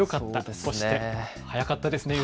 そして早かったです